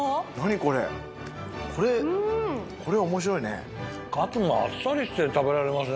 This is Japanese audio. これこれ面白いねカツがあっさりして食べられますね